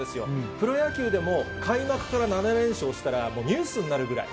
プロ野球でも、開幕から７連勝したら、ニュースになるぐらい。